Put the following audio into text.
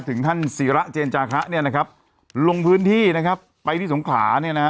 ถึงท่านศิระเจนจาคะเนี่ยนะครับลงพื้นที่นะครับไปที่สงขลาเนี่ยนะฮะ